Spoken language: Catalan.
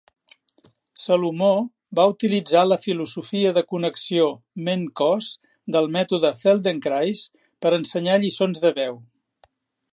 Salomó va utilitzar la filosofia de connexió ment-cos del mètode Feldenkrais per ensenyar lliçons de veu.